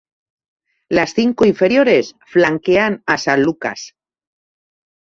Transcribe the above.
Las cinco inferiores flanquean a San Lucas.